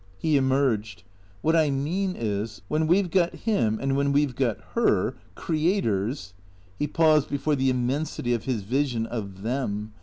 He emerged. " WHiat I mean is, when we 've got Him, and when we 've got Her — crea tors " He paused before the immensity of his vision of Them.